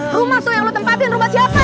rumah so yang lo tempatin rumah siapa